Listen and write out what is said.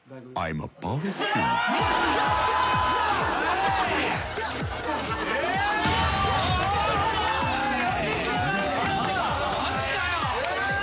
マジかよ。